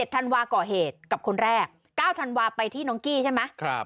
ธันวาก่อเหตุกับคนแรก๙ธันวาไปที่น้องกี้ใช่ไหม